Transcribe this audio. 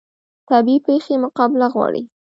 طبیعي پیښې مقابله غواړي